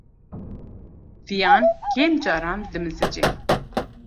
Viyan kêm caran dimizice.